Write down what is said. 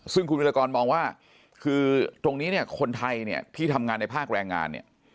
ซึ่งคุณวิทยากรมองว่าคือตรงนี้คนไทยที่ทำงานในภาคแรงงาน